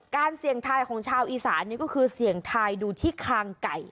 เสี่ยงทายของชาวอีสานนี่ก็คือเสี่ยงทายดูที่คางไก่